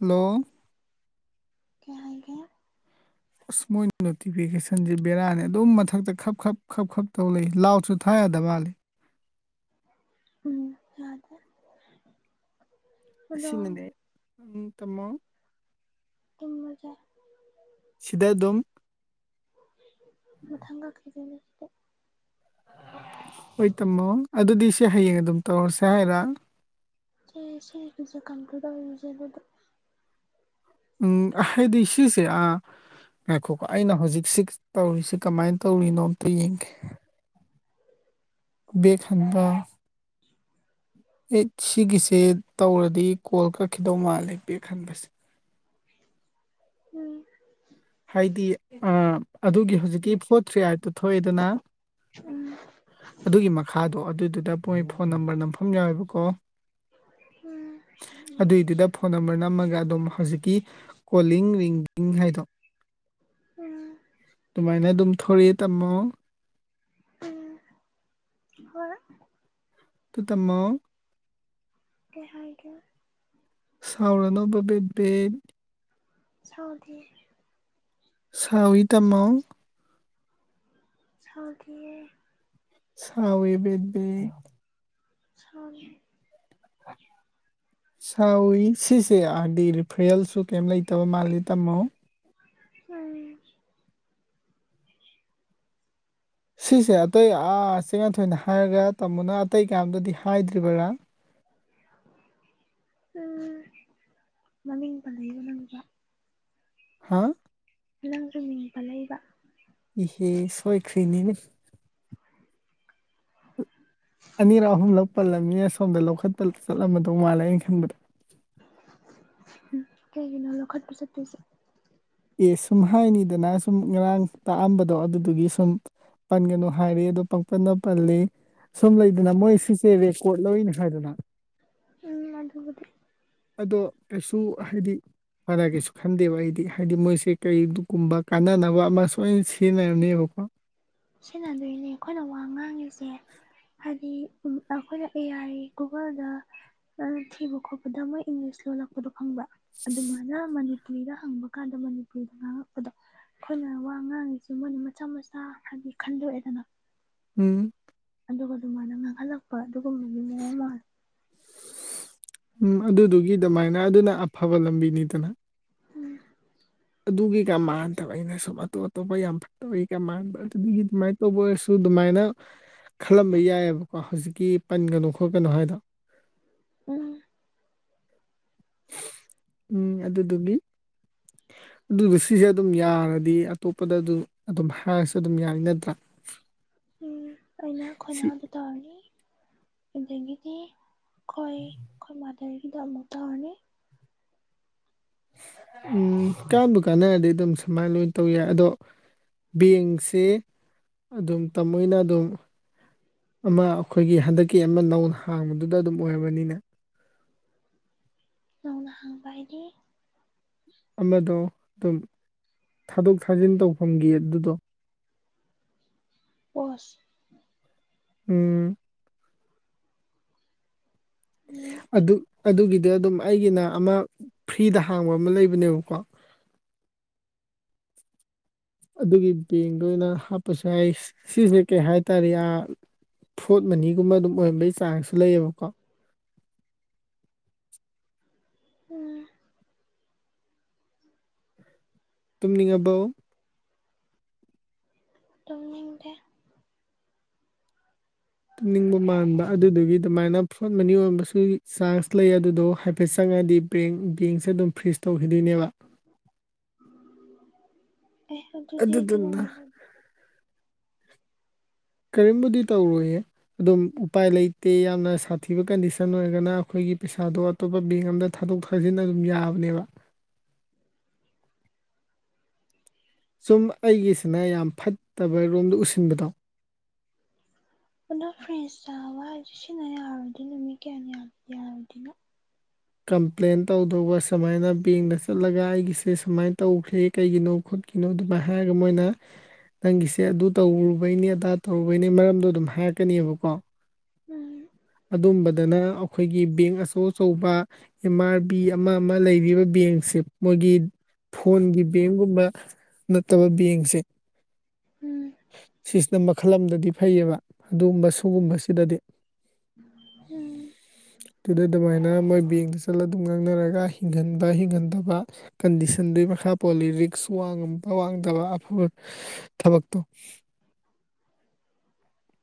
hello ꯀꯩ ꯍꯥꯏꯒꯦ ꯑꯁ ꯃꯣꯏꯅ ꯅꯣꯇꯤꯐꯤꯀꯦꯁꯟꯁꯤ ꯕꯦꯔꯥꯅꯤ ꯑꯗꯨꯝ ꯃꯊꯛꯇ ꯈꯞ ꯈꯞ ꯈꯞ ꯈꯞ ꯇꯧ ꯂꯩ ꯂꯥꯎꯗꯁꯨ ꯊꯥ ꯌꯥꯗ ꯃꯥꯜꯂꯦ ꯎꯝ ꯌꯥꯗꯦ ꯑꯗꯣ ꯁꯤꯅꯅꯦ ꯎꯝ ꯇꯨꯃꯣ ꯇꯨꯝꯃꯖꯦ ꯁꯤꯗ ꯑꯗꯨꯝ ꯃꯊꯪ [inaudible] [inaudible] ꯍꯣꯏ ꯇꯝꯃꯣ ꯑꯗꯨꯗꯤ ꯁꯤ ꯍꯌꯦꯡ ꯑꯗꯨꯝ ꯇꯧꯔꯁꯦ ꯍꯥꯏꯔ ꯁꯦ ꯁꯦ ꯁꯤꯒꯦꯁꯦ ꯀꯟꯀꯨ ꯇꯧꯔꯤꯁꯦ ꯑꯩꯉꯣꯟꯗꯥ ꯎꯝ ꯍꯥꯏꯗꯤ ꯁꯤꯁꯦ ꯑ ꯉꯥꯏꯈꯣꯀꯣ ꯑꯩꯅ ꯍꯧꯖꯤꯛ ꯁꯤꯛꯁ ꯇꯧꯔꯤꯁꯦ ꯀꯃꯥꯏꯅ ꯇꯧꯔꯤꯅꯣ ꯑꯝꯇ ꯌꯦꯡꯒꯦ ꯕꯦꯛ ꯍꯟꯕ ꯑꯦ ꯁꯤꯒꯤꯁꯦ ꯇꯧꯔꯗꯤ ꯀꯣꯜ ꯀꯛꯈꯤꯗꯧ ꯃꯥꯜꯂꯦ ꯕꯦꯛ ꯛꯟꯕꯁꯦ ꯎꯝ ꯍꯥꯏꯗꯤ ꯑ ꯑꯗꯨꯒꯤ ꯍꯧꯖꯤꯛꯀꯤ ꯐꯣꯔ ꯊ꯭ꯔꯤ ꯑꯥꯏꯠ ꯇꯣ ꯊꯣꯛꯑꯦꯗꯅ ꯎꯝ ꯑꯗꯨꯒꯤ ꯃꯈꯥꯗꯣ ꯑꯗꯨꯗꯨꯗ ꯃꯣꯏ ꯐꯣꯟ ꯅꯝꯕꯔ ꯅꯝꯐꯝ ꯌꯥꯎꯋꯦꯕꯀꯣ ꯎꯝ [inaudible] ꯑꯗꯨꯏꯗꯨꯗ__ ꯐꯣꯟ ꯅꯝꯕꯔ ꯅꯝꯃꯒ ꯑꯗꯨꯝ ꯍꯧꯖꯤꯛꯀꯤ ꯀꯣꯂꯤꯡ ꯔꯤꯡꯒꯤꯡ ꯍꯥꯏꯗꯣ ꯎꯝ ꯇꯨꯃꯥꯏꯅ ꯑꯗꯨꯝ ꯊꯧꯔꯦ ꯇꯥꯃꯣ ꯎꯝ ꯍꯣꯏ ꯈꯨ ꯇꯥꯃꯣ [unintelligible] ꯀꯩ ꯍꯥꯏꯒꯦ ꯁꯥꯎꯔꯅꯣꯕ ꯕꯦ ꯕꯤ ꯁꯥꯎꯗꯤꯌꯦ ꯁꯥꯎꯏ ꯇꯥꯃꯣ ꯁꯥꯈꯤꯌꯦ ꯁꯥꯎꯏ ꯕꯦꯕꯤ ꯁꯥꯏꯌꯦ ꯁꯥꯎꯋꯤ ꯁꯤꯁꯦ ꯍꯥꯏꯗꯤ ꯔꯤꯐ꯭ꯔꯦꯜꯁꯨ ꯀꯩꯝ ꯂꯩꯇꯕ ꯃꯥꯜꯂꯦ ꯇꯝꯃꯣ ꯎꯝ ꯁꯤꯁꯦ ꯑꯇꯩ ꯆꯦꯡꯅꯊꯣꯏꯅ ꯍꯥꯏꯔꯒ ꯇꯥꯃꯣꯅ ꯑꯇꯩ ꯀꯌꯥꯝꯗꯗꯤ ꯍꯥꯏꯗ꯭ꯔꯤꯕꯔꯥ ꯎꯝ ꯃꯃꯤꯡ ꯄꯜꯂꯛꯏꯕ ꯅꯪꯁꯨ ꯍꯥꯥ ꯅꯥꯪꯁꯨ ꯃꯤꯡ ꯄꯜꯂꯛ ꯏꯕ ꯏꯅꯤꯁ ꯑꯅꯤꯔꯛ ꯑꯍꯨꯝꯂꯛ ꯄꯜꯂꯝꯅꯤꯅ ꯁꯣꯝꯗ ꯂꯧꯈꯠꯄ ꯆꯠꯂꯝꯃꯗꯧ ꯃꯥꯜꯂꯦ ꯑꯩꯅ ꯈꯟꯕꯗ ꯀꯩꯒꯤꯅꯣ ꯂꯧꯈꯠꯄ ꯆꯠꯇꯣꯏꯁꯦ ꯑꯦ ꯁꯨꯝ ꯍꯥꯏꯅꯤꯗꯅ ꯁꯨꯝ ꯉꯔꯥꯡ ꯇꯥꯛꯑꯝꯕꯗꯣ ꯑꯗꯨꯗꯨꯒꯤ ꯁꯨꯝ ꯄꯟꯒꯅꯨ ꯍꯥꯏꯔꯦ ꯗꯣ ꯄꯪꯄꯅ ꯄꯜꯂꯤ ꯁꯨꯝ ꯂꯩꯗꯅ ꯃꯣꯏ ꯁꯤꯁꯦ ꯔꯦꯀꯣꯔꯠ ꯂꯧꯏꯅ ꯍꯥꯏꯗꯅ ꯎꯝ ꯃꯗꯨꯒꯗꯤ ꯑꯗꯣ ꯀꯩꯁꯨ ꯍꯥꯏꯗꯤ ꯐꯔ ꯀꯩꯁꯨ ꯈꯟꯗꯦꯕ ꯑꯩꯗꯤ ꯍꯥꯏꯗꯤ ꯃꯣꯏꯁꯦ ꯀꯔꯤꯒꯨꯝꯕ ꯀꯥꯟꯅꯅꯕ ꯑꯃ ꯁꯣꯏ ꯁꯤꯖꯤꯟꯅꯔꯝꯅꯦꯕꯀꯣ ꯁꯤꯟꯅꯗꯣꯏꯅꯦ ꯑꯩꯈꯣꯏꯅ ꯋꯥ ꯉꯥꯡꯉꯤꯁꯦ ꯍꯥꯏꯗꯤ ꯎ ꯑꯩꯈꯣꯏꯅ ꯑꯦ ꯑꯥꯏ ꯒꯨꯒꯜꯗ ꯑ ꯊꯤꯕ ꯈꯣꯠꯄꯗ ꯃꯣꯏ ꯏꯪꯂꯤꯁ ꯂꯣꯜꯂꯛꯄꯗꯣ ꯈꯪꯕ꯭ꯔꯥ ꯑꯗꯨꯃꯥꯏꯅ ꯃꯅꯤꯄꯨꯔꯤꯗ ꯍꯪꯕ ꯀꯥꯟꯗ ꯃꯅꯤꯄꯨꯔꯤ ꯉꯥꯡꯉꯛꯄꯗꯣ ꯑꯩꯈꯣꯏꯅ ꯋꯥ ꯉꯥꯡꯉꯤꯁꯦ ꯃꯣꯏꯅ ꯃꯆꯥ ꯃꯆꯥ ꯍꯥꯏꯗꯤ ꯈꯟꯗꯣꯛꯑꯦꯗꯅ ꯎꯝ ꯑꯗꯨꯒ ꯑꯗꯨꯃꯥꯏꯅ ꯉꯥꯡꯍꯜꯂꯛꯄ ꯑꯗꯨꯒꯨꯝ [inaudible] ꯎꯝ ꯑꯗꯨꯗꯨꯒꯤ ꯑꯗꯨꯃꯥꯏꯅ ꯑꯗꯨꯅ ꯑꯐꯕ ꯂꯝꯕꯤꯅꯤꯗꯅ ꯑꯗꯨꯗꯨꯒꯤꯀꯥ ꯃꯥꯟꯗꯕ ꯑꯩꯅ ꯁꯨꯝ ꯑꯇꯣ ꯑꯇꯣꯞꯄ ꯌꯥꯝ [unintelligible] ꯀ ꯃꯥꯟꯕ ꯑꯗꯨꯒꯤꯗꯨꯃꯥꯏ ꯇꯧꯕ ꯑꯣꯏꯔꯁꯨ ꯑꯗꯨꯃꯥꯏꯅ ꯈꯜꯂꯝꯕ ꯌꯥꯏꯌꯦꯕꯀꯣ ꯍꯧꯖꯤꯛ ꯀ ꯄꯟꯒꯅꯨ ꯈꯣꯠꯀꯅꯨ ꯍꯥꯏꯗꯣ ꯎꯝ ꯎꯝ ꯑꯗꯨꯗꯨꯒꯤ ꯑꯗꯨ ꯁꯤꯁꯦ ꯑꯗꯨꯝ ꯌꯥꯔꯗꯤ ꯑꯇꯣꯞꯄꯗ ꯑꯗꯨ ꯑꯗꯨꯝ ꯍꯥꯏꯔꯁꯨ ꯑꯗꯨꯝ ꯌꯥꯅꯤ ꯅꯠꯇ꯭ꯔꯥ ꯎꯝ ꯑꯩꯅ ꯁꯤ ꯈꯣꯏꯅꯥꯎꯗ ꯇꯧꯔꯅꯤ ꯑꯗꯒꯤꯗꯤ ꯑꯩꯈꯣꯏ ꯑꯩꯈꯣꯏ ꯃꯥꯗꯔꯒꯤꯗ ꯑꯃꯨꯛ ꯇꯧꯔꯅꯤ ꯎꯝ ꯀꯥꯟꯕꯨ ꯀꯥꯟꯅꯔꯗꯤ ꯑꯗꯨꯝ ꯁꯨꯃꯥꯏꯅ ꯂꯣꯏꯅ ꯇꯧ ꯌꯥꯏ ꯑꯗꯣ ꯕꯦꯡꯁꯦ ꯑꯗꯨꯝ ꯇꯃꯣꯏꯅ ꯑꯗꯨꯝ ꯑꯃ ꯑꯩꯈꯣꯏꯒꯤ ꯍꯟꯗꯛꯀꯤ ꯑꯃ ꯅꯧꯅ ꯍꯥꯡꯕꯗꯨꯗ ꯑꯗꯨꯝ ꯑꯣꯏꯔꯝꯃꯅꯤꯅꯦ ꯅꯧꯅ ꯍꯪꯕꯗꯤ ꯑꯃꯗꯣ ꯑꯗꯨꯝ ꯊꯥꯗꯣꯛ ꯊꯥꯖꯤꯟ ꯇꯧꯐꯝꯒꯤ ꯑꯗꯨꯗꯣ ꯑꯣꯁ ꯎꯝ ꯎꯝ ꯑꯗꯨ ꯑꯗꯨꯒꯤꯗꯤ ꯑꯗꯨꯝ ꯑꯩꯒꯤꯅ ꯑꯃ ꯐ꯭ꯔꯤꯗ ꯍꯥꯡꯕ ꯑꯃ ꯂꯩꯕꯅꯦꯕꯀꯣ ꯑꯗꯨꯒꯤ ꯕꯦꯡꯗ ꯑꯣꯏꯅ ꯍꯥꯞꯄꯁꯨ ꯌꯥꯏ ꯁꯤꯁꯦ ꯀꯩ ꯍꯥꯏꯇꯥꯔꯦ ꯑꯥꯦ ꯐ꯭ꯔꯣꯠ ꯃꯅꯤꯒꯨꯝꯕ ꯑꯗꯨꯝ ꯑꯣꯏꯔꯝꯕꯩ ꯆꯥꯟꯁꯁꯨ ꯂꯩꯌꯦꯕꯀꯣ ꯎꯝ ꯇꯨꯝꯅꯤꯡꯉꯕꯣ ꯇꯨꯝꯅꯤꯡꯗꯦ ꯇꯨꯝꯅꯤꯡꯕ ꯃꯥꯟꯕ ꯑꯗꯨꯗꯨꯒꯤ ꯑꯗꯨꯃꯥꯏꯅ ꯐ꯭ꯔꯣꯠ ꯃꯅꯤ ꯑꯣꯢꯔꯝꯕꯁꯨ ꯆꯥꯟꯁ ꯂꯩ ꯑꯗꯨꯗꯣ ꯍꯥꯏꯐꯦꯠ ꯆꯪꯉꯗꯤ ꯕꯦꯡ ꯕꯦꯡꯁꯦ ꯑꯗꯨꯝ ꯐ꯭ꯔꯤꯖ ꯇꯧꯈꯤꯗꯣꯏꯅꯦꯕ ꯑꯦ ꯑꯗꯨꯗꯤ ꯑꯩꯗꯤ ꯑꯗꯨꯗꯨꯅ [unintelligible] ꯀꯔꯤꯝꯕꯨꯗꯤ ꯇꯧꯔꯣꯏꯌꯦ ꯑꯗꯨꯝ ꯎꯄꯥꯏ ꯂꯩꯇꯦ ꯌꯥꯝꯅ ꯁꯥꯊꯤꯕ ꯀꯟꯗꯤꯁꯟ ꯑꯣꯏꯔꯒꯅ ꯑꯩꯈꯣꯏꯒꯤ ꯄꯩꯁꯥꯗꯣ ꯑꯇꯣꯞꯄ ꯕꯦꯡ ꯑꯝꯗ ꯊꯥꯗꯣꯛ ꯊꯥꯖꯤꯟ ꯑꯗꯨꯝ ꯌꯥꯕꯅꯦꯕ ꯁꯨꯝ ꯑꯩꯒꯤꯁꯤꯅ ꯌꯥꯝ ꯐꯠꯇꯕ ꯔꯣꯝꯗ ꯎꯁꯤꯟꯕꯗꯣ ꯑꯗꯣ ꯐ꯭ꯔꯦꯤꯁ ꯆꯥꯕ ꯍꯥꯏꯁꯦ ꯁꯤꯟꯅ ꯌꯥꯔꯗꯣꯏꯅꯤꯅ ꯅꯨꯃꯤꯠ ꯀꯌꯥ ꯌꯥꯔꯣꯢꯗꯣꯏꯅꯣ ꯀꯝꯄ꯭ꯂꯦꯟ ꯇꯧꯗꯧꯕ ꯁꯨꯃꯥꯏꯅ ꯕꯦꯡꯗ ꯆꯠꯂꯒ ꯑꯩꯒꯤꯁꯦ ꯁꯨꯃꯥꯏꯅ ꯇꯧꯈ꯭ꯔꯦ ꯀꯩꯒꯤꯅꯣ ꯈꯣꯠꯀꯤꯅꯣ ꯑꯗꯨꯃꯥꯏꯅ ꯍꯥꯏꯔꯒ ꯃꯣꯏꯅ ꯅꯪꯒꯤꯁꯦ ꯑꯗꯨ ꯇꯧꯔꯨꯕꯩꯅꯤ ꯑꯗꯥ ꯇꯧꯔꯨꯕꯩꯅꯤ ꯃꯔꯝꯗꯣ ꯑꯗꯨꯝ ꯍꯥꯏꯔꯀꯅꯦꯕꯀꯣ ꯎꯝ ꯑꯗꯨꯝꯕꯗꯅ ꯑꯩꯈꯣꯏꯒꯤ ꯕꯦꯡ ꯑꯆꯧ ꯑꯆꯧꯕ ꯑꯦꯝ ꯑꯥꯔ ꯕꯤ ꯑꯃ ꯑꯃ ꯂꯩꯔꯤꯕ ꯕꯦꯡꯁꯦ ꯃꯣꯏꯒꯤ ꯐꯣꯟꯒꯤ ꯕꯦꯡꯒꯨꯝꯕ ꯅꯠꯇꯕ ꯕꯦꯡꯁꯦ ꯎꯝ ꯁꯤꯁꯅ ꯈꯜꯂꯝꯗꯗꯤ ꯐꯩꯌꯦꯕ ꯑꯗꯨꯒꯨꯝꯕ ꯎꯝ ꯁꯤꯒꯨꯝꯕꯁꯤꯗꯗꯤ ꯎꯝ ꯑꯗꯨꯗꯣ ꯗꯨꯃꯥꯢ ꯃꯣꯏ ꯕꯦꯡꯗ ꯆꯠꯂ ꯑꯗꯨꯝ ꯉꯥꯡꯅꯔꯒ ꯍꯤꯡꯍꯟꯕ ꯍꯤꯡꯍꯟꯗꯕ ꯀꯟꯗꯤꯁꯟꯗꯨꯒꯤ ꯃꯈꯥ ꯄꯣꯜꯂꯤ ꯔꯤꯛꯁ ꯋꯥꯡꯉꯝꯕ ꯋꯥꯡꯗꯕ ꯑꯐꯕ ꯊꯕꯛꯇꯣ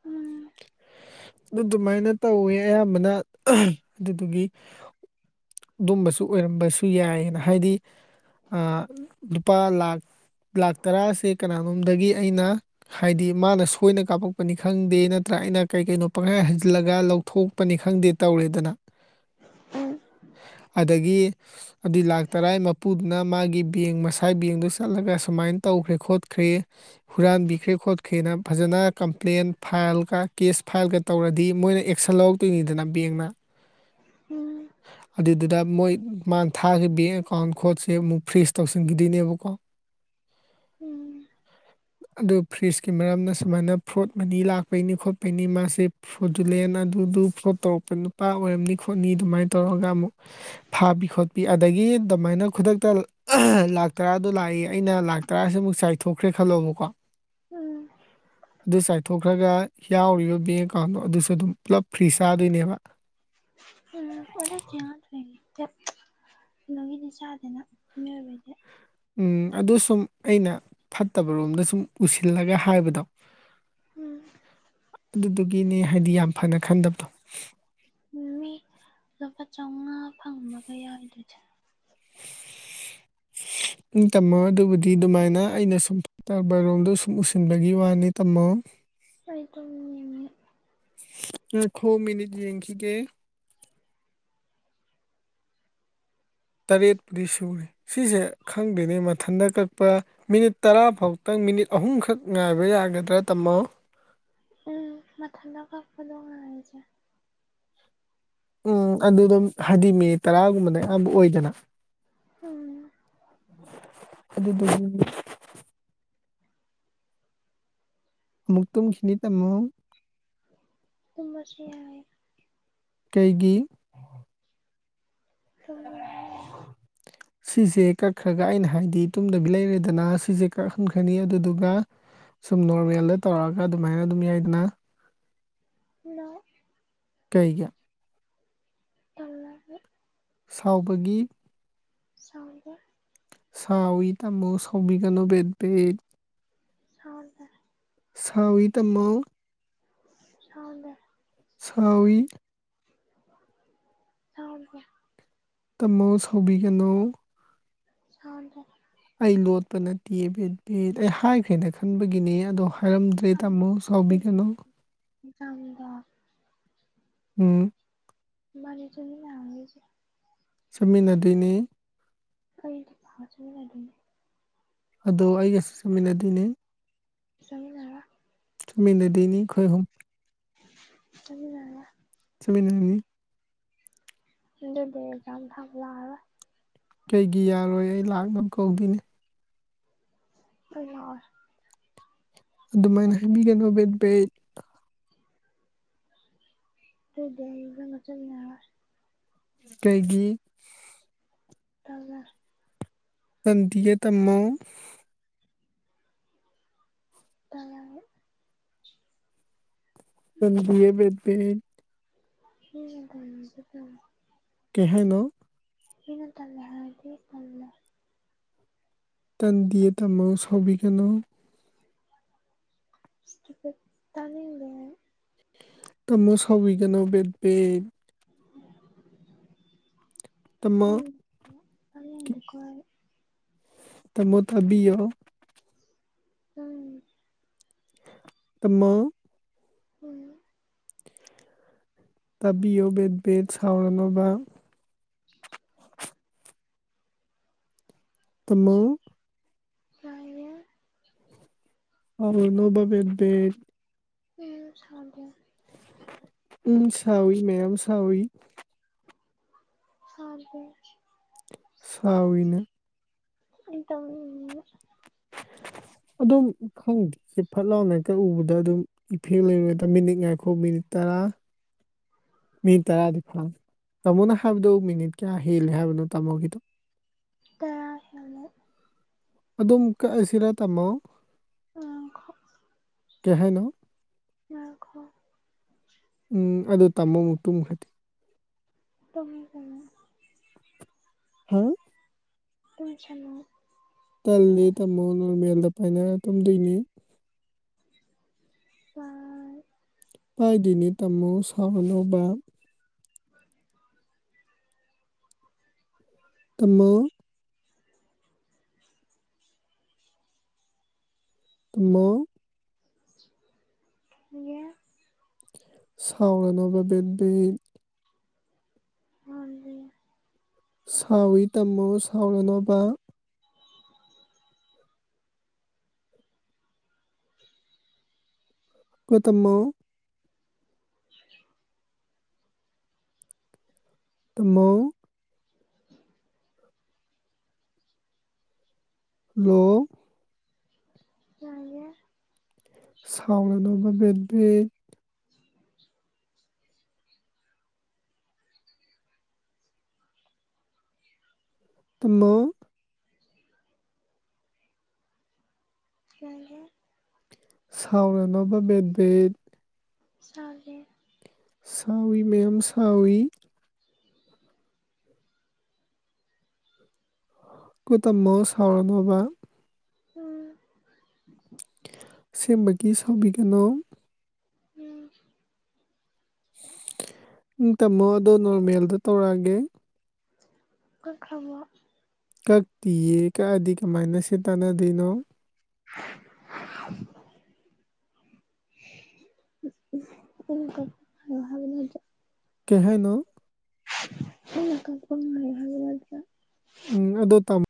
ꯎꯝ ꯑꯗꯨꯃꯥꯏꯅ ꯇꯧꯋꯦ ꯑꯌꯥꯝꯕꯅ ꯑꯗꯨꯗꯨꯒꯤ ꯑꯗꯨꯝꯕꯁꯨ ꯑꯣꯏꯔꯝꯕꯁꯨ ꯌꯥꯏꯑꯅ ꯍꯥꯏꯗꯤ ꯑꯥ ꯂꯨꯄꯥ ꯂꯥꯥꯛ ꯂꯥꯛ ꯇꯔꯥꯁꯦ ꯀꯅꯥꯅꯣꯝꯗꯒꯤ ꯑꯩꯅ ꯍꯥꯏꯗꯤ ꯃꯥꯅ ꯁꯣꯏꯅ ꯀꯥꯞꯄꯛꯄꯅꯤ ꯈꯪꯗꯦ ꯅꯠꯇ꯭ꯔꯥ ꯑꯩꯅ ꯀꯩ ꯀꯩꯅꯣ ꯄꯪꯍꯥꯏ ꯍꯟꯖꯤꯜꯂꯒ ꯂꯧꯊꯣꯛꯄꯅꯤ ꯈꯪꯗꯦ ꯇꯧꯔꯦꯗꯅ ꯎꯝ ꯑꯗꯒꯤ ꯑꯗꯨ ꯂꯥꯛ ꯇꯔꯥ ꯃꯄꯨꯗꯨꯅ ꯃꯥꯒꯤ ꯕꯦꯡ ꯃꯁꯥꯏ ꯕꯦꯡꯗꯨ ꯆꯠꯂꯒ ꯁꯨꯃꯥꯏꯅ ꯇꯧꯈ꯭ꯔꯦ ꯈꯣꯠꯈ꯭ꯔꯦ ꯍꯨꯔꯟꯕꯤꯈ꯭ꯔꯦ ꯈꯣꯠꯈ꯭ꯔꯦꯅꯥ ꯐꯖꯅ ꯀꯝꯄ꯭ꯂꯦꯟ ꯐꯥꯏꯜꯒ ꯀꯦꯁ ꯐꯥꯏꯜꯒ ꯇꯧꯔꯗꯤ ꯃꯣꯏꯅ ꯑꯦꯛꯁꯟ ꯂꯧꯔꯛꯇꯣꯏꯅꯤꯗꯅ ꯕꯦꯡꯅ ꯎꯝ ꯑꯗꯨꯗ ꯃꯣꯏ ꯃꯥꯅ ꯊꯥꯈꯤꯕ ꯕꯦꯡ ꯑꯦꯀꯥꯎꯟ ꯈꯣꯠꯁꯦ ꯑꯃꯨꯛ ꯐ꯭ꯔꯤꯁ ꯇꯧꯁꯤꯟꯈꯤꯗꯣꯏꯅꯦꯕꯀꯣ ꯎꯝ ꯑꯗꯨ ꯐ꯭ꯔꯤꯖꯀꯤ ꯃꯔꯝꯅ ꯁꯨꯃꯥꯏꯅ ꯐ꯭ꯔꯣꯠ ꯃꯅꯤ ꯂꯥꯛꯄꯩꯅꯤ ꯈꯣꯠꯄꯩꯅꯤ ꯃꯥꯁꯦ ꯐꯣꯗꯨꯂꯦꯟ ꯑꯗꯨꯗꯨ ꯐ꯭ꯂꯣꯗ ꯇꯧꯔꯛꯄ ꯅꯨꯄꯥ ꯑꯣꯏꯔꯝꯅꯤ ꯈꯣꯠꯅꯤ ꯑꯗꯨꯃꯥꯏꯅ ꯇꯧꯔꯒ ꯑꯃꯨꯛ ꯐꯥꯕꯤ ꯈꯣꯠꯄꯤ ꯑꯗꯒꯤ ꯑꯗꯨꯃꯥꯏꯅ ꯈꯨꯗꯛꯇ ꯂꯥꯛ ꯇꯔꯥꯗꯣ ꯂꯥꯛꯏ ꯑꯩꯅ ꯂꯥꯛ ꯇꯔꯥꯁꯤꯃꯨꯛ ꯆꯥꯏꯊꯣꯛꯈ꯭ꯔꯦ ꯈꯜꯂꯣꯕꯀꯣ ꯎꯝ ꯊꯣꯛꯈ꯭ꯔꯒ ꯌꯥꯎꯔꯤꯕ ꯕꯦꯡ ꯑꯦꯀꯥꯎꯟꯗꯣ ꯑꯗꯨꯁꯨ ꯑꯗꯨꯝ ꯄꯨꯂꯞ ꯐ꯭ꯔꯤꯁ ꯆꯥꯗꯣꯏꯅꯦꯕ ꯎꯝ ꯑꯣꯟꯅ ꯌꯥꯅꯤ ꯅꯨꯃꯤꯠꯅ ꯆꯥꯗꯦꯅ ꯃꯤꯑꯣꯏꯕꯗꯤ ꯎꯝ ꯑꯗꯨ ꯁꯨꯝ ꯑꯩꯅ ꯐꯠꯇꯕ ꯔꯣꯝꯗ ꯁꯨꯝ ꯎꯁꯤꯜꯂꯒ ꯍꯥꯏꯕꯗꯣ ꯎꯝ ꯑꯗꯨꯗꯨꯒꯤꯅꯦ ꯍꯥꯏꯗꯤ ꯌꯥꯝ ꯐꯅ ꯈꯟꯗꯕꯗꯣ ꯃꯤ ꯂꯨꯄꯥ ꯆꯥꯃꯉꯥ ꯐꯪꯕꯒ ꯌꯥꯎꯔꯤꯗꯨꯗꯤ ꯎꯝ ꯇꯝꯃꯣ ꯑꯗꯨꯕꯨꯗꯤ ꯑꯗꯨꯃꯥꯏꯅ ꯑꯩꯅ ꯁꯨꯝ ꯐꯇꯕꯥꯔꯣꯝꯗꯣ ꯁꯨꯝ ꯎꯁꯤꯟꯕꯒꯤ ꯋꯥꯅꯤ ꯇꯝꯃꯣ ꯑꯩ ꯇꯨꯝꯅꯤꯡꯉꯦ ꯉꯥꯢꯈꯣ ꯃꯤꯅꯤꯠ ꯌꯦꯡꯈꯤꯒꯦ ꯇꯔꯦꯠꯄꯨꯗꯤ ꯁꯨꯔꯦ ꯁꯤꯁꯦ ꯈꯪꯗꯦꯅꯦ ꯃꯊꯟꯗ ꯀꯛꯄ ꯃꯤꯅꯤꯠ ꯇꯔꯥ ꯐꯥꯎꯇꯪ ꯃꯤꯅꯤꯠ ꯑꯍꯨꯝꯈꯛ ꯉꯥꯏꯕ ꯌꯥꯒꯗ꯭ꯔꯥ ꯇꯥꯝꯃꯣ ꯎꯝ ꯃꯊꯥꯟꯇ ꯀꯛꯄꯗꯣ ꯉꯥꯢꯔꯁꯦ ꯎꯝ ꯑꯗꯨ ꯑꯗꯨꯝ ꯍꯥꯏꯗꯤ ꯃꯦ ꯇꯔꯥꯒꯨꯝꯕꯅ ꯑꯌꯥꯝꯕ ꯑꯣꯏꯗꯅ ꯎꯝ ꯑꯗꯨꯕꯨꯗꯤ ꯃꯨꯛ ꯇꯨꯨꯝ ꯈꯤꯅꯤ ꯇꯥꯃꯣ ꯇꯨꯝꯃꯁꯦ ꯌꯥꯏꯌꯦ ꯀꯩꯒꯤ ꯇꯨꯝꯅꯤꯡꯉꯦ ꯑꯩ ꯁꯤꯁꯦ ꯀꯛꯈ꯭ꯔꯒ ꯑꯩꯅ ꯍꯥꯏꯗꯤ ꯇꯨꯝꯗꯕꯤ ꯂꯩꯔꯦꯗꯅ ꯁꯤꯁꯦ ꯀꯛꯍꯟꯈ꯭ꯔꯅꯤ ꯑꯗꯨꯗꯨꯒ ꯁꯨꯝ ꯅꯣꯔꯃꯦꯜꯗ ꯇꯧꯔꯑꯒ ꯑꯗꯨꯃꯥꯏꯅ ꯑꯗꯨꯝ ꯌꯥꯏꯗꯅ ꯌꯥꯏ ꯀꯩꯒꯤ ꯇꯟꯕꯒꯤ ꯁꯥꯎꯕꯒꯤ ꯁꯥꯎꯗꯦ ꯁꯥꯎꯋꯤ ꯇꯝꯃꯣ ꯁꯥꯎꯕꯤꯒꯅꯣ ꯕꯦꯕꯦ ꯁꯥꯎꯗꯦ ꯁꯥꯎꯏ ꯇꯝꯃꯣ ꯁꯥꯎꯗꯦ ꯁꯥꯎꯏ ꯁꯥꯎꯗꯦ ꯇꯨꯝꯃꯣ ꯁꯥꯎꯕꯤꯒꯅꯣ ꯁꯥꯎꯗꯦ ꯑꯩ ꯂꯣꯠꯄ ꯅꯠꯇꯦ ꯕꯦꯕꯦꯗ ꯍꯥꯏ ꯍꯦꯟꯅ ꯈꯟꯕꯒꯤꯅꯤ ꯑꯗꯣ ꯍꯥꯏꯔꯝꯗ꯭ꯔꯦ ꯇꯥꯃꯣ ꯁꯥꯎꯕꯤꯒꯅꯣ ꯆꯥꯡꯗ ꯎꯝ ꯏ ꯇꯨꯝꯃꯤꯅꯔꯣꯏꯖꯦ ꯆꯠꯃꯤꯟꯅꯗꯣꯏꯅꯦ ꯑꯩꯗꯤ ꯊꯥꯖ ꯊꯥꯖꯅꯕꯤ ꯑꯗꯣ ꯑꯩꯒꯁꯨ ꯆꯥꯃꯤꯟꯅꯗꯣꯏꯅꯦ ꯆꯥꯃꯤꯟꯅꯔꯣꯏ ꯇꯨꯃꯤꯟꯅꯗꯨꯢꯅꯤ ꯈꯣꯏ ꯍꯨꯨꯝ ꯊꯨꯃꯤꯟꯅꯔꯣꯏ ꯊꯨꯃꯤꯟꯅꯅꯤ ꯍꯟꯗꯛꯇꯤ ꯑꯦꯛꯖꯥꯝ ꯊꯥꯕ ꯂꯥꯛꯑꯔꯣꯢ ꯀꯩꯒꯤ ꯌꯥꯔꯣꯏ ꯑꯩ ꯂꯥꯛꯅꯕ ꯀꯧꯗꯣꯏꯅꯦ ꯑꯩ ꯂꯥꯛꯑꯣꯏ ꯑꯗꯨꯃꯥꯏꯅ ꯍꯥꯏꯕꯤꯒꯅꯨ ꯕꯦ ꯕꯦꯠ ꯇꯨꯗꯤ ꯑꯩ ꯅꯪꯒ ꯖꯨ ꯂꯥꯑ ꯀꯩꯒꯤ ꯇꯜꯂꯦ ꯇꯟꯗꯤꯌꯦ ꯇꯟꯅꯣ ꯇꯜꯂꯦ ꯍꯥꯏꯕ ꯑꯩ ꯇꯟꯗꯤꯌꯦ ꯕꯦꯕ ꯄꯦ ꯅꯦ ꯎꯝꯍꯨꯝ ꯍꯨꯝ ꯍꯨ ꯀꯩ ꯍꯥꯏꯅꯣ ꯑꯩꯅ ꯇꯜꯂꯦ ꯍꯥꯏꯔꯗꯤ ꯇꯜꯂꯦ ꯇꯟꯗꯤꯌꯦ ꯇꯥꯃꯣ ꯁꯥꯎꯕꯤꯒꯅꯣ ꯁꯇꯨꯄꯤꯗ ꯇꯥꯅꯤꯡꯗꯦ ꯍꯦ ꯇꯨꯝꯃꯣ ꯁꯥꯎꯕꯤꯒꯅꯣ ꯕꯦꯕꯦ ꯇꯥꯃꯣ ꯎꯝ [unintelligible] ꯇꯃꯣ ꯊꯥꯕꯤꯌꯣ ꯎꯝ ꯇꯨꯝꯃꯣ ꯎꯝ ꯇꯥꯕꯤꯌꯣ ꯕꯦꯠ ꯕꯦꯠ ꯁꯥꯎꯔꯝꯃꯥꯒ ꯇꯨꯝꯃꯣ ꯌꯥꯏꯌꯦ ꯁꯥꯎꯔꯅꯣꯕ ꯕꯦꯕꯦ ꯎꯡ ꯁꯥꯎꯗꯦ ꯎꯝ ꯁꯥꯎꯏ ꯃꯌꯥꯝ ꯁꯥꯎꯏ ꯁꯥ ꯗꯦ ꯁꯥꯎꯋꯤꯅꯦ [unintelligible] ꯑꯗꯨꯝ ꯈꯪꯗꯦ ꯐꯠ ꯂꯥꯎ ꯍꯦꯀꯇ ꯎꯕꯗ ꯑꯗꯨꯝ ꯏꯐꯦꯛ ꯂꯩꯕꯩ ꯃꯤꯅꯤꯠ ꯉꯥꯏꯈꯣ ꯃꯤꯅꯤꯠ ꯇꯔꯥ ꯃꯤꯅꯤꯠ ꯇꯔꯥꯗꯤ ꯐꯥꯔꯦ ꯇꯥꯃꯣꯅ ꯍꯥꯏꯕꯗꯣ ꯃꯤꯅꯤꯠ ꯀꯌꯥ ꯍꯦꯜꯂꯦ ꯍꯥꯏꯕꯅꯣ ꯇꯥꯃꯣꯒꯤꯗꯣ ꯇꯔꯥ ꯍꯦꯜꯂꯦ ꯑꯗꯨꯝ ꯀꯛꯑꯁꯤꯔ ꯊꯝꯃꯣ ꯎꯝ ꯀꯩꯍꯥꯏꯅꯣ ꯉꯥꯏꯈꯣ ꯎꯝ ꯑꯗꯨ ꯇꯃꯣꯃꯨꯛ ꯇꯨꯝꯈꯔꯗꯤ [unintelligible] ꯍꯥ ꯑꯣꯏꯖꯅꯣ ꯇꯜꯂꯦ ꯇꯝꯃꯣ ꯅꯣꯔꯃꯦꯜꯗ ꯄꯥꯏꯅꯔ ꯇꯨꯝꯗꯣꯏꯅꯤ ꯑꯥ ꯄꯥꯏꯗꯣꯏꯅꯦ ꯇꯥꯃꯣ ꯁꯥꯎꯔꯅꯣꯕ ꯇꯨꯝꯃꯣ ꯇꯨꯝꯃꯣ ꯉꯦ ꯁꯥꯎꯔꯅꯣꯕ ꯕꯦꯕꯤ ꯉꯜꯂꯤ ꯁꯥꯎꯋꯤ ꯇꯃꯣ ꯁꯥꯎꯔꯅꯣꯕ ꯀꯣꯜꯊꯝꯃꯣ ꯇꯃꯣ ꯍꯂꯣ ꯀꯩꯍꯥꯏꯒꯦ ꯁꯥꯎꯔꯅꯣꯕ [unintelligible] ꯇꯨꯃꯣ ꯀꯩꯍꯥꯏꯒꯦ ꯁꯥꯎꯔꯅꯣꯕ ꯕꯦꯕꯦ ꯁꯥꯗꯦ ꯁꯥꯎꯋꯤ ꯃꯌꯥꯝ ꯁꯥꯎꯋꯤ ꯀꯣ ꯇꯥꯃꯣ ꯁꯥꯎꯔꯅꯣꯕ ꯎꯝ ꯁꯦꯝꯕꯒꯤ ꯁꯥꯎꯕꯤꯒꯅꯣ ꯎꯝ ꯇꯥꯝꯃꯣ ꯑꯗꯣ ꯅꯣꯔꯃꯦꯜꯗ ꯇꯧꯔꯛꯑꯒꯦ ꯀꯛꯈ꯭ꯔꯕꯣ ꯀꯛꯇꯤꯌꯦ ꯀꯛꯑꯗꯤ ꯀꯃꯥꯏꯅ ꯁꯤ ꯇꯥꯟꯅꯗꯣꯏꯅꯣ [inaudible] ꯀꯩꯍꯥꯏꯅꯣ ꯅꯪꯅ ꯀꯛꯄ ꯉꯥꯏ ꯉꯣ ꯍꯥꯏꯕ ꯅꯠꯇꯔꯥ ꯎꯝ ꯑꯗꯨꯗꯣ ꯇꯝꯃꯦ